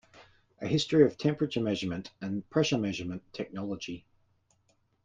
A history of temperature measurement and pressure measurement technology.